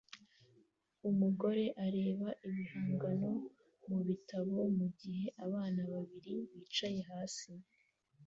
Umugore areba ibihangano mubitabo mugihe abana babiri bicaye hasi